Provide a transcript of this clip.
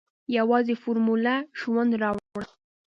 يوازې فارموله ژوندۍ راوړه.